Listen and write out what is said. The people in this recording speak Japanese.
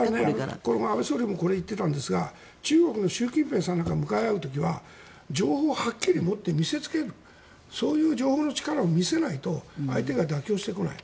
ただ、安倍元総理もこれを言っていたんですが中国の習近平さんと向かい合う時には情報をはっきり持って見せつけるそういう情報の力を見せないと相手が妥協してこない。